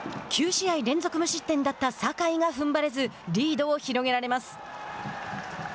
９試合連続無失点だった酒井がふんばれずリードを広げられます。